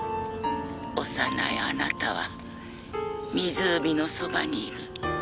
幼いあなたは湖のそばにいる。